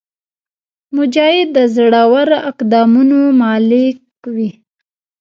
مجاهد د زړور اقدامونو مالک وي.